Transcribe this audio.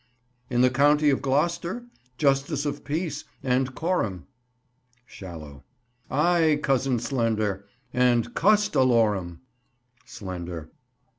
In the county of Gloster, justice of peace, and coram. Shallow. Ay, Cousin Slender, and cust alorum. Slender.